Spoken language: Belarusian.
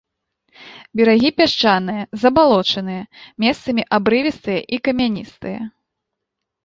Берагі пясчаныя, забалочаныя, месцамі абрывістыя і камяністыя.